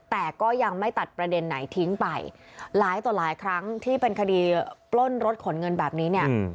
แต่ก็ยังไม่ตัดประเด็นไหนทิ้งไปหลายต่อหลายครั้งที่เป็นคดีปล้นรถขนเงินแบบนี้เนี่ย